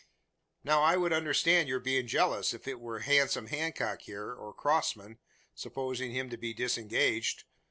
Now, I could understand your being jealous if it were handsome Hancock here, or Crossman supposing him to be disengaged.